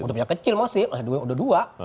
udah punya kecil masih udah dua